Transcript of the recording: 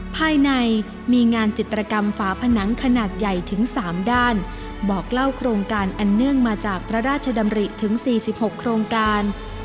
ภายในมีงานจิตรกรรมฝาผนังขนาดใหญ่ถึง๓ด้านบอกเล่าโครงการอันเนื่องมาจากพระราชดำริถึง๔๖โครงการ